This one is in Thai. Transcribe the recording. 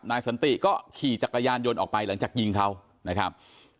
สันติก็ขี่จักรยานยนต์ออกไปหลังจากยิงเขานะครับ